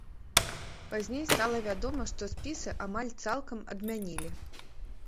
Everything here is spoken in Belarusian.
Пазней стала вядома, што спісы амаль цалкам адмянілі.